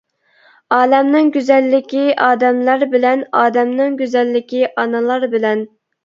ئالەمنىڭ گۈزەللىكى ئادەملەر بىلەن، ئادەمنىڭ گۈزەللىكى ئانىلار بىلەن.